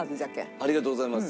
ありがとうございます。